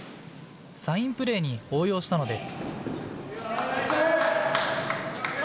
サインプレーに応用したのです。